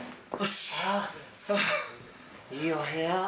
あぁいいお部屋。